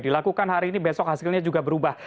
dilakukan hari ini besok hasilnya juga berubah